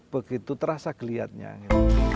begitu terasa kelihatannya